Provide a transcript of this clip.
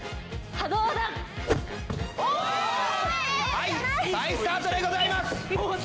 はい再スタートでございます。